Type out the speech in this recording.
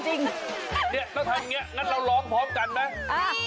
ต้องทำแบบนี้อย่างนั้นเราร้อมพร้อมกันไหม